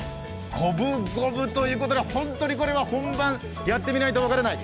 五分五分ということで、本当にこれは本番やってみないと分からない。